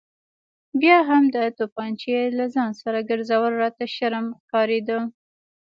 بیا هم د تومانچې له ځانه سره ګرځول راته شرم ښکارېده.